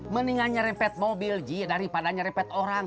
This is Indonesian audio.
mendingan ngerempet mobil ji daripada ngerempet orang